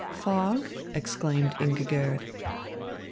"Fog?" exclaimed Ingigerd.